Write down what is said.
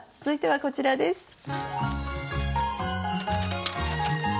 続いてはこちらです。